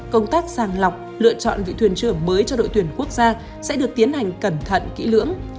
công tác sàng lọc lựa chọn vị thuyền trưởng mới cho đội tuyển quốc gia sẽ được tiến hành cẩn thận kỹ lưỡng